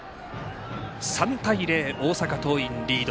３対０、大阪桐蔭リード。